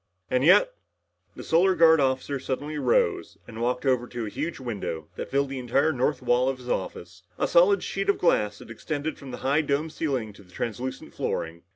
And yet " The Solar Guard officer suddenly rose and walked over to a huge window that filled the entire north wall of his office, a solid sheet of glass that extended from the high domed ceiling to the translucent flooring.